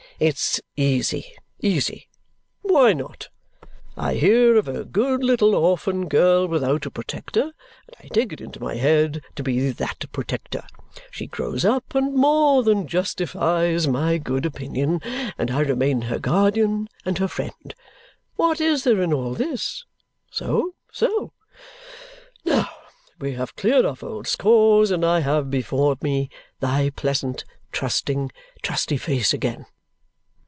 "It's easy, easy. Why not? I hear of a good little orphan girl without a protector, and I take it into my head to be that protector. She grows up, and more than justifies my good opinion, and I remain her guardian and her friend. What is there in all this? So, so! Now, we have cleared off old scores, and I have before me thy pleasant, trusting, trusty face again."